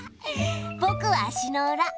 ぼくは足の裏。